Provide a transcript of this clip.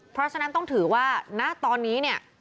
เพราะฉะนั้นต้องถือว่าณตอนนี้เนี่ย